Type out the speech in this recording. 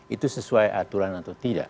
itu sesuai aturan atau tidak